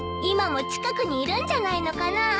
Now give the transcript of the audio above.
今も近くにいるんじゃないのかな？